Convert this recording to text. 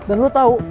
dan lo tau